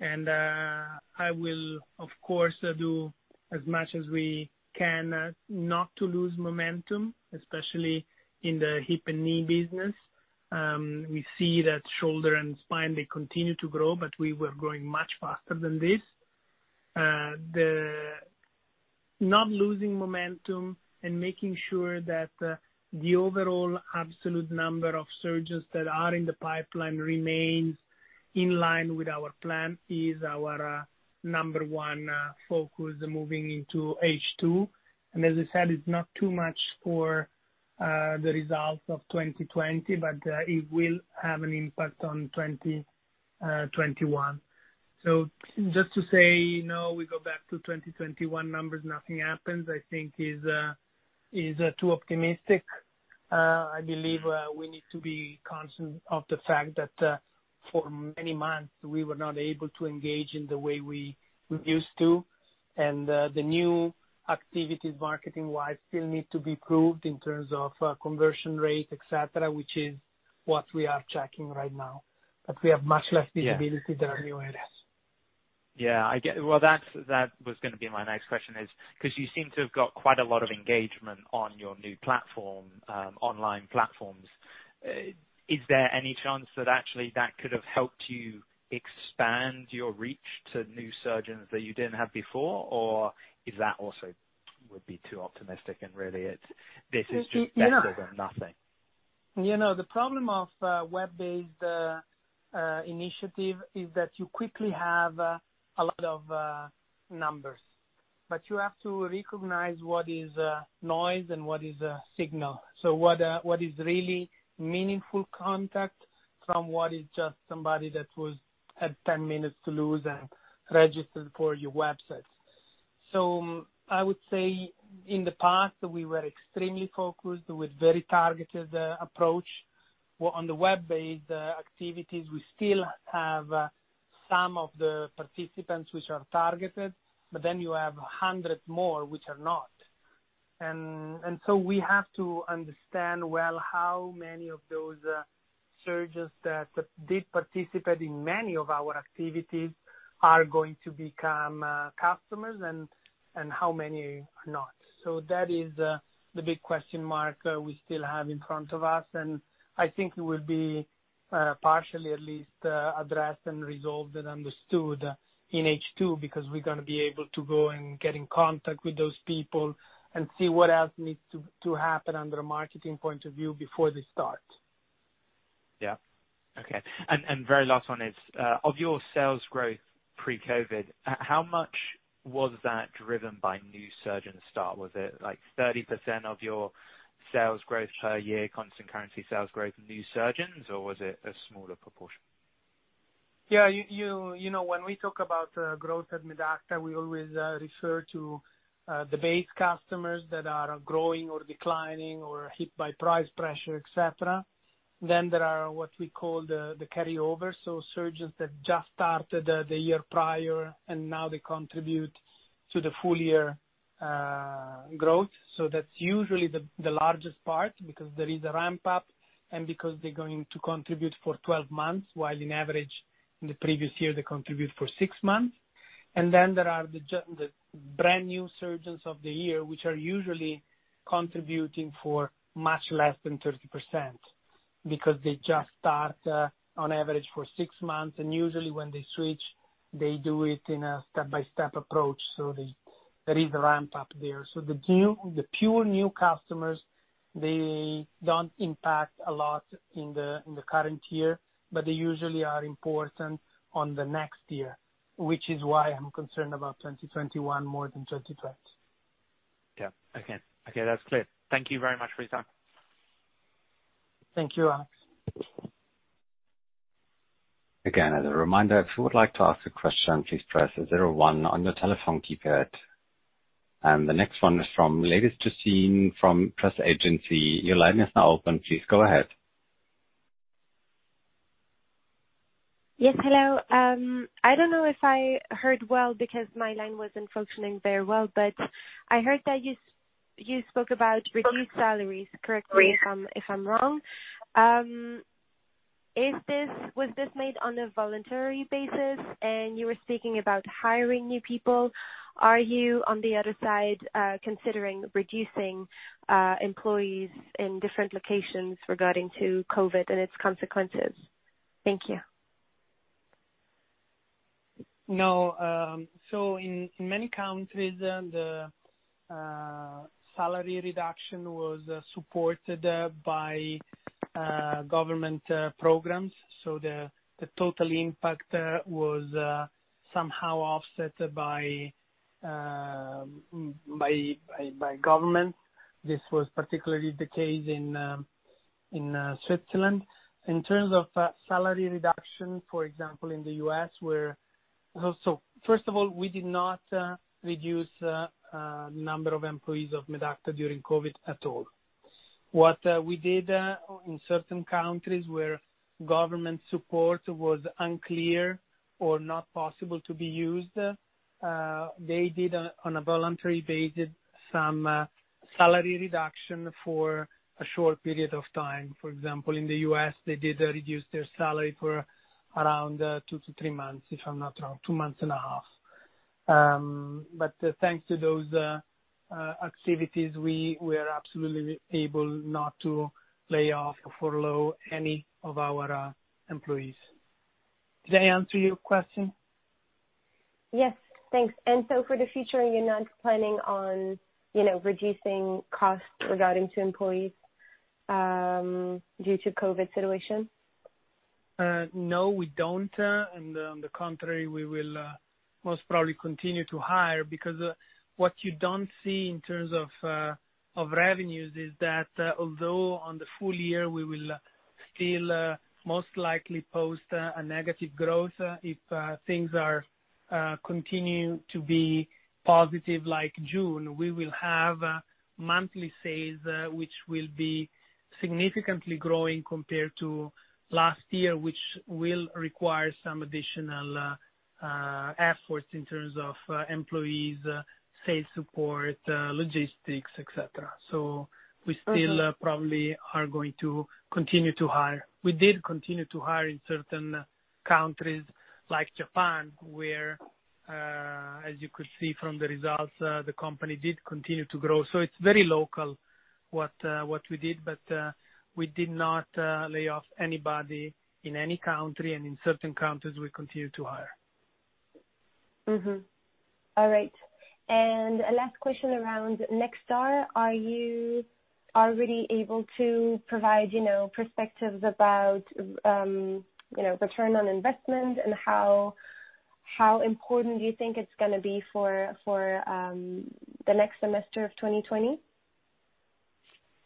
I will, of course, do as much as we can not to lose momentum, especially in the hip and knee business. We see that shoulder and spine, they continue to grow, but we were growing much faster than this. Not losing momentum and making sure that the overall absolute number of surgeries that are in the pipeline remains in line with our plan is our number one focus moving into H2. As I said, it's not too much for the results of 2020, but it will have an impact on 2021. Just to say, now we go back to 2021 numbers, nothing happens, I think is too optimistic. I believe we need to be conscious of the fact that for many months we were not able to engage in the way we used to. The new activities marketing-wise still need to be proved in terms of conversion rate, et cetera, which is what we are checking right now. We have much less visibility. Yeah there are new areas. Yeah, I get it. Well, that was going to be my next question is, because you seem to have got quite a lot of engagement on your new platform, online platforms. Is there any chance that actually that could have helped you expand your reach to new surgeons that you didn't have before? Is that also would be too optimistic and really, this is just better than nothing? The problem of web-based initiative is that you quickly have a lot of numbers, but you have to recognize what is noise and what is signal. What is really meaningful contact from what is just somebody that had 10 minutes to lose and registered for your website. I would say in the past, we were extremely focused with very targeted approach. On the web-based activities, we still have some of the participants which are targeted, but then you have 100 more which are not. We have to understand well how many of those surgeons that did participate in many of our activities are going to become customers and how many are not. That is the big question mark we still have in front of us, and I think it will be partially at least addressed and resolved and understood in H2, because we're going to be able to go and get in contact with those people and see what else needs to happen under a marketing point of view before they start. Yeah. Okay. Very last one is, of your sales growth pre-COVID, how much was that driven by new surgeon start? Was it like 30% of your sales growth per year, constant currency sales growth, new surgeons, or was it a smaller proportion? When we talk about growth at Medacta, we always refer to the base customers that are growing or declining or hit by price pressure, et cetera. There are what we call the carryover. Surgeons that just started the year prior, and now they contribute to the full year growth. That's usually the largest part, because there is a ramp-up and because they're going to contribute for 12 months, while in average in the previous year, they contribute for six months. There are the brand new surgeons of the year, which are usually contributing for much less than 30%, because they just start on average for six months, and usually when they switch, they do it in a step-by-step approach, so there is a ramp-up there. The pure new customers, they don't impact a lot in the current year, but they usually are important on the next year, which is why I'm concerned about 2021 more than 2020. Yeah. Okay. That's clear. Thank you very much for your time. Thank you, Alex. Again, as a reminder, if you would like to ask a question, please press zero one on your telephone keypad. The next one is from Ladies Racine from Press Agency. Your line is now open. Please go ahead. Yes, hello. I don't know if I heard well because my line wasn't functioning very well, but I heard that you spoke about reduced salaries. Correct me if I'm wrong. Was this made on a voluntary basis? You were speaking about hiring new people. Are you, on the other side, considering reducing employees in different locations regarding to COVID and its consequences? Thank you. No. In many countries, the salary reduction was supported by government programs. The total impact was somehow offset by government. This was particularly the case in Switzerland. In terms of salary reduction, for example, in the U.S. First of all, we did not reduce number of employees of Medacta during COVID at all. What we did in certain countries where government support was unclear or not possible to be used, they did, on a voluntary basis, some salary reduction for a short period of time. For example, in the U.S., they did reduce their salary for around 2-3 months, if I'm not wrong, 2 and a half months. Thanks to those activities, we are absolutely able not to lay off or furlough any of our employees. Did I answer your question? Yes, thanks. For the future, you're not planning on reducing costs regarding to employees due to COVID situation? No, we don't. On the contrary, we will most probably continue to hire, because what you don't see in terms of revenues is that although on the full year, we will still most likely post a negative growth, if things continue to be positive like June, we will have monthly sales which will be significantly growing compared to last year, which will require some additional efforts in terms of employees, sales support, logistics, et cetera. We still probably are going to continue to hire. We did continue to hire in certain countries like Japan, where, as you could see from the results, the company did continue to grow. It's very local what we did. We did not lay off anybody in any country, and in certain countries, we continued to hire. All right. Last question around NextAR. Are you already able to provide perspectives about return on investment and how important do you think it's going to be for the next semester of 2020?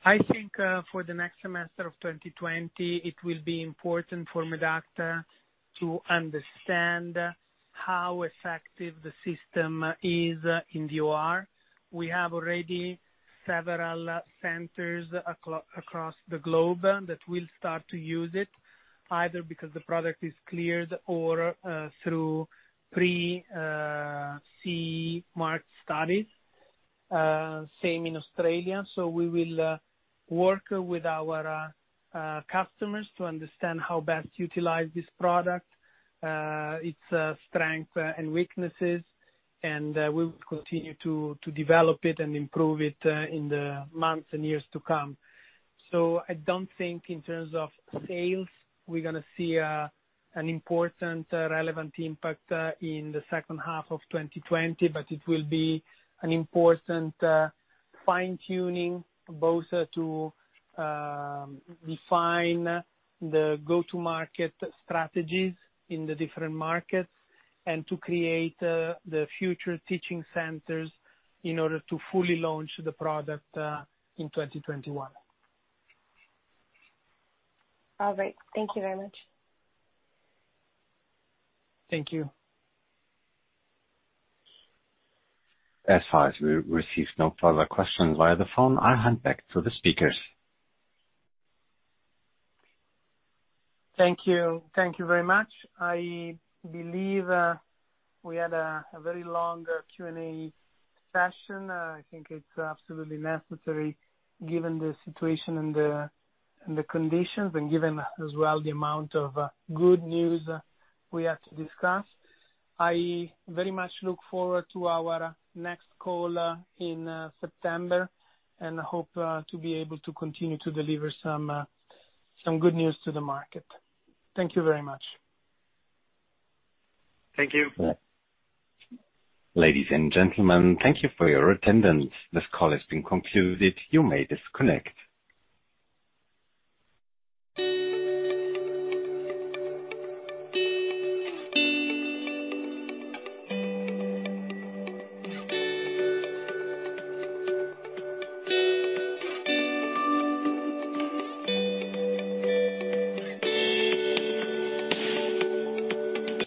I think for the next semester of 2020, it will be important for Medacta to understand how effective the system is in the OR. We have already several centers across the globe that will start to use it, either because the product is cleared or through pre-market studies. Same in Australia. We will work with our customers to understand how best to utilize this product, its strength and weaknesses, and we will continue to develop it and improve it in the months and years to come. I don't think in terms of sales, we're going to see an important relevant impact in the second half of 2020, but it will be an important fine-tuning both to define the go-to-market strategies in the different markets and to create the future teaching centers in order to fully launch the product in 2021. All right. Thank you very much. Thank you. As far as we receive no further questions via the phone, I hand back to the speakers. Thank you. Thank you very much. I believe we had a very long Q&A session. I think it's absolutely necessary given the situation and the conditions, and given as well the amount of good news we have to discuss. I very much look forward to our next call in September, and hope to be able to continue to deliver some good news to the market. Thank you very much. Thank you. Ladies and gentlemen, thank you for your attendance. This call has been concluded. You may disconnect.